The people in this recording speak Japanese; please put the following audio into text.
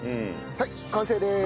はい完成です。